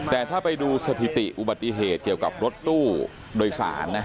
แต่ถ้าไปดูสถิติอุบัติเหตุเกี่ยวกับรถตู้โดยสารนะ